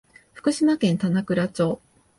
福島県棚倉町